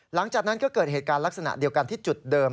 หลังจากนั้นก็เกิดเหตุการณ์ลักษณะเดียวกันที่จุดเดิม